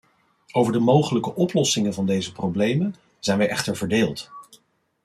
Over de mogelijke oplossingen van deze problemen zijn wij echter verdeeld.